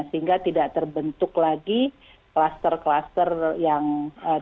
sehingga tidak terbentuk lagi kluster kluster yang terjadi